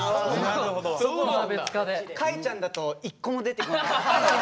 「海ちゃん」だと一個も出てこなかった。